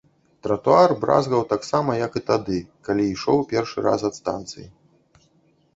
Тратуар бразгаў таксама, як і тады, калі ішоў першы раз ад станцыі.